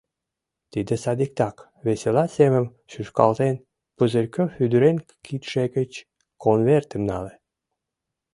— Тиде садиктак, — весела семым шӱшкалтен, Пузырьков ӱдырын кидше гыч конвертым нале.